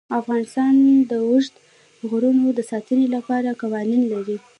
افغانستان د اوږده غرونه د ساتنې لپاره قوانین لري.